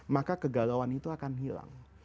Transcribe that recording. maka kegalauan itu akan hilang